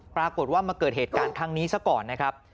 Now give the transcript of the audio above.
ปรากฏว่ามาเกิดเหตุการณ์ครั้งนี้ซะก่อนนะครับ